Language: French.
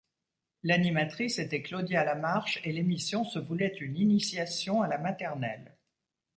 L'animatrice était Claudia Lamarche et l'émission se voulait une initiation à la maternelle.